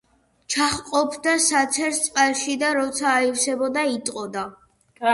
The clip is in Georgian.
ჩაჰყოფდა საცერს წყალში, და როცა აივსებოდა, იტყოდა: